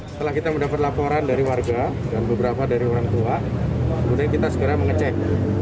setelah kita mendapat laporan dari warga dan beberapa dari orang tua kemudian kita segera mengecek